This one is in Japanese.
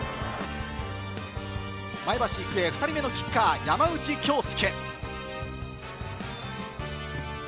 前橋育英２人目のキッカー・山内恭輔。